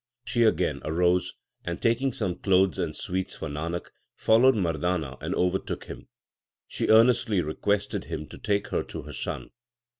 She again arose, and taking some clothes and sweets for Nanak, followed Mardana and overtook him. She earnestly requested him to take her to her son.